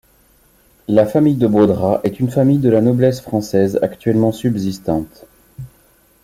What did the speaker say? La famille de Beaudrap est une famille de la noblesse française actuellement subsistante.